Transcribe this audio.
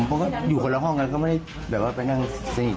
เขาก็อยู่คนละห้องกันก็ไม่ได้แบบว่าไปนั่งสนิท